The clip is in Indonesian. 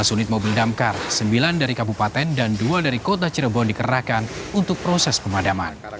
dua belas unit mobil damkar sembilan dari kabupaten dan dua dari kota cirebon dikerahkan untuk proses pemadaman